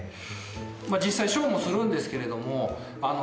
実際ショーもするんですけれどもやっぱ